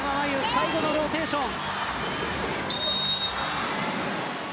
最後のローテーション。